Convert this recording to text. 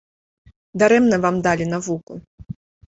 Дарэмна вам далі навуку.